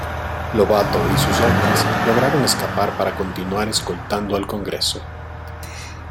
Lobato y sus hombres lograron escapar para continuar escoltando al Congreso.